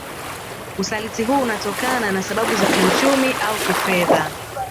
Usaliti huu hunatokana na sababu za kiuchumi au kifedha